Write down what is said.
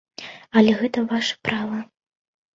Але гэта вашае права.